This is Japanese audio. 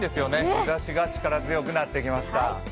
日ざしが力強くなってきました。